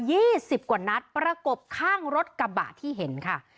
สิบกว่านัดประกบข้างรถกระบะที่เห็นค่ะ